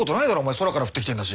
空から降ってきてんだし。